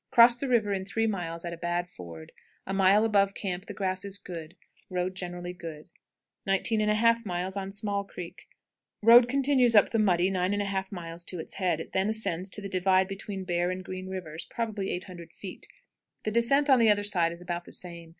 Cross the river in three miles at a bad ford. A mile above camp the grass is good. Road generally good. 19 1/2. On Small Creek. Road continues up the Muddy 9 1/2 miles to its head. It then ascends to the divide between Bear and Green Rivers, probably 800 feet, in 1 3/5 miles. The descent on the other side is about the same.